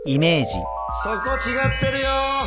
そこ違ってるよ